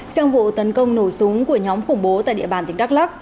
trong vụ tấn công nổ súng của nhóm khủng bố tại địa bàn tỉnh đắk lắc